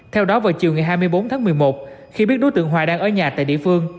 theo đó vào chiều ngày hai mươi bốn tháng một mươi một khi biết đối tượng hoài đang ở nhà tại địa phương